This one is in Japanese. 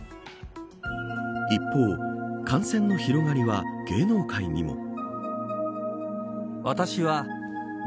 一方、感染の広がりは芸能界にも。